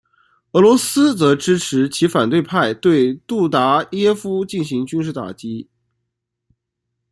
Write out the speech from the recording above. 俄罗斯则支持其反对派对杜达耶夫进行军事打击。